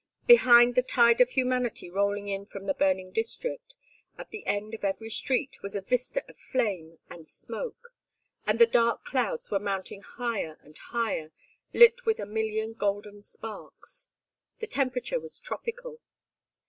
Behind the tide of humanity rolling in from the burning district, at the end of every street, was a vista of flame and smoke. And the dark clouds were mounting higher and higher, lit with a million golden sparks. The temperature was tropical.